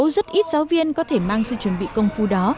rất ít giáo viên có thể mang sự chuẩn bị công phu đó